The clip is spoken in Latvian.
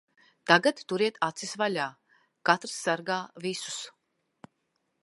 Tagad turiet acis vaļā. Katrs sargā visus.